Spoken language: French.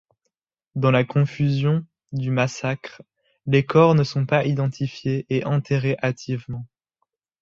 Dans la confusion du massacre, les corps ne sont pas identifiés et enterrés hâtivement.